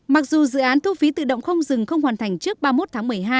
mặc dù dự án thu phí tự động không dừng không hoàn thành trước ba mươi một tháng một mươi hai